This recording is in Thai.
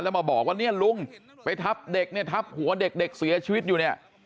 แล้วบอกว่าเนี่ยลูงไปทับหัวเด็กเสียชีวิตอยู่เนี้ย